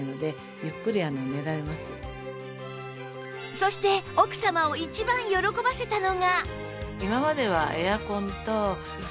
そして奥様を一番喜ばせたのが